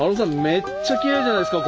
めっちゃきれいじゃないですか